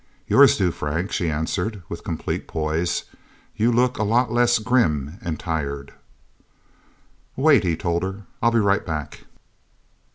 "Yours do, Frank," she answered with complete poise. "You look a lot less grim and tired." "Wait," he told her. "I'll be right back..."